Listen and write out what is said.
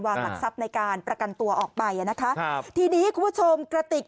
หลักทรัพย์ในการประกันตัวออกไปอ่ะนะคะครับทีนี้คุณผู้ชมกระติก